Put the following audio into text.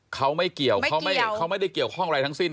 เขาไม่เกี่ยวเขาไม่ได้เกี่ยวข้องอะไรทั้งสิ้น